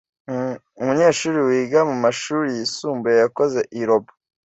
Umunyeshuri wiga mumashuri yisumbuye yakoze iyi robot.